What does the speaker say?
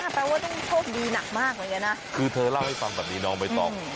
แปลว่าต้องโชคดีหนักมากเลยนะคือเธอเล่าให้ฟังแบบนี้น้องไม่ต้อง